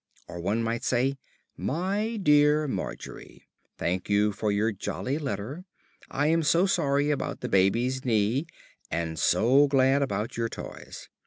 Or one might say, "MY DEAR MARGERY, Thank you for your jolly letter. I am so sorry about baby's knee and so glad about your toys.